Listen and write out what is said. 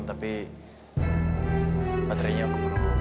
tadi ada acara vampires